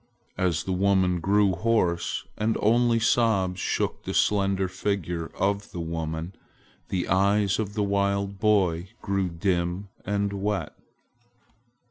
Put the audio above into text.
As the voice grew hoarse and only sobs shook the slender figure of the woman, the eyes of the wild boy grew dim and wet.